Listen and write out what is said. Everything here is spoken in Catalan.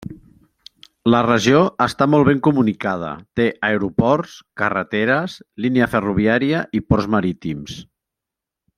La regió està molt ben comunicada, té aeroports, carreteres, línia ferroviària i ports marítims.